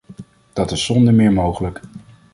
Dat is zonder meer mogelijk.